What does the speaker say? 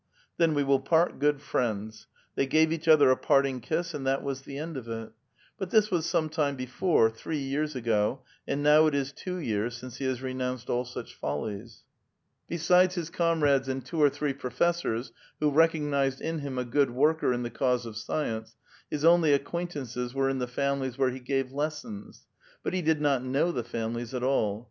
"Then we will part good friends?" They gave each other a parting kiss, and that was the end of it. But this was some time before, three years ago, and now it is two years since he has renounced all such follies. )>»> 62 A VITAL QUESTION. l>t'siilt»s liis ('()inr:i(U's and two or tiiroe professors, who ri <'()j;iii/i'(l ill him a \!hhk\ worker in the cause of science, his only a<'iiiiaiiit:M)('i>s wciv in tlit> raniilios where he gave les sons; i»ui lie (lid iioi know the families at all.